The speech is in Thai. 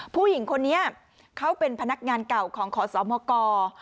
ผู้หญิงคนนี้เขาเป็นพนักงานเก่าของขอสมก